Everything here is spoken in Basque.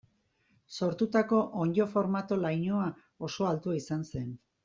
Sortutako onddo formako lainoa oso altua izan zen.